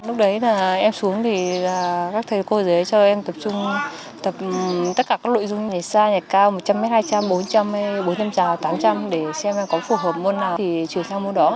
lúc đấy là em xuống thì các thầy cô dưới cho em tập trung tập tất cả các nội dung nhảy xa nhảy cao một trăm linh m hai trăm linh m bốn trăm linh m bốn trăm linh m trào tám trăm linh m để xem em có phù hợp môn nào thì chuyển sang môn đó